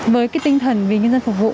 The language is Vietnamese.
với tinh thần vì nhân dân phục vụ